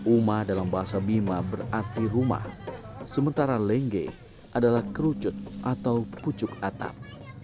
uma dalam bahasa bima berarti rumah sementara lengge adalah kerucut atau pucuk atap